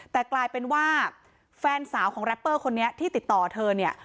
แต่กลายเป็นว่าแฟนสาวของแรปเปอร์คนนี้ที่ติดต่อเธอเนี่ย